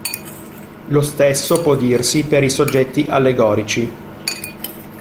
Lo stesso può dirsi per i soggetti allegorici.